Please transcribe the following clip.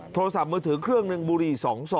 โทรศัพท์มือถือเครื่องหนึ่งบุหรี่๒ซอ